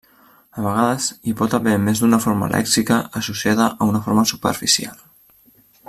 A vegades hi pot haver més d'una forma lèxica associada a una forma superficial.